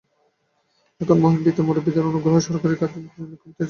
এখন মহিম পিতার মুরুব্বিদের অনুগ্রহে সরকারি খাতাঞ্জিখানায় খুব তেজের সঙ্গে কাজ চালাইতেছে।